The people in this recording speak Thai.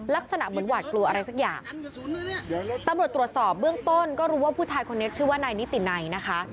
ลักษณะเหมือนหวาดกลัวอะไรสักอย่างตำรวจตรวจสอบเบื้องต้นก็รู้ว่าผู้ชายคนนี้ชื่อว่านายนิตินัยนะคะ